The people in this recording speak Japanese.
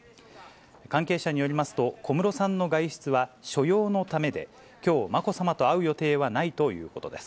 関係者によりますと、小室さんの外出は所用のためで、きょう、まこさまと会う予定はないということです。